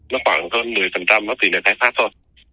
nó khoảng hơn một mươi nó tỷ lệ tái phát thôi